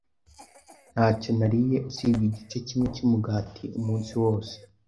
Ntacyo nariye usibye igice kimwe cyumugati umunsi wose.